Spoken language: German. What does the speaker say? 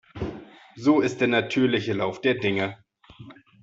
So ist der natürliche Lauf der Dinge.